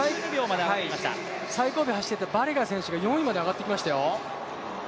最後尾を走っていたバレガ選手が上がってきました。